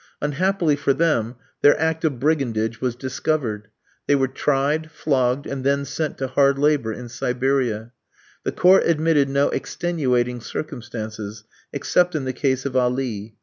Unhappily for them, their act of brigandage was discovered. They were tried, flogged, and then sent to hard labour in Siberia. The Court admitted no extenuating circumstances, except in the case of Ali.